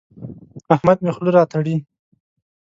احمد مې خوله راتړي.